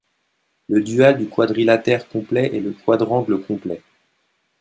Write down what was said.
Le dual du quadrilatère complet est le quadrangle complet.